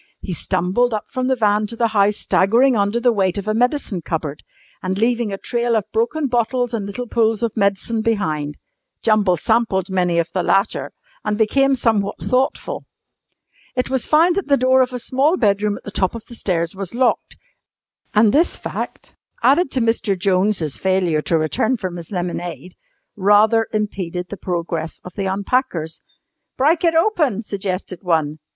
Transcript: He stumbled up from the van to the house staggering under the weight of a medicine cupboard, and leaving a trail of broken bottles and little pools of medicine behind. Jumble sampled many of the latter and became somewhat thoughtful. It was found that the door of a small bedroom at the top of the stairs was locked, and this fact (added to Mr. Jones' failure to return from his lemonade) rather impeded the progress of the unpackers. "Brike it open," suggested one.